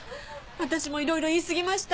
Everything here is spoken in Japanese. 私もいろいろ言いすぎました。